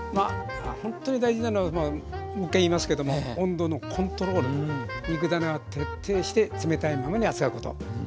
ほんとに大事なのはもう１回言いますけども温度のコントロール肉ダネは徹底して冷たいままに扱うこと。